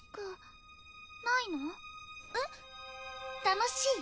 楽しい？